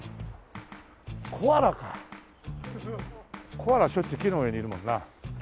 コアラはしょっちゅう木の上にいるもんな。